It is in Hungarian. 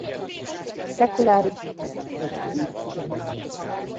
Szekuláris zsidó családban született.